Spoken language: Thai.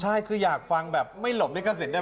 ใช่คืออยากฟังแบบไม่หลบลิขสิทธิ